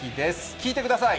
聞いてください。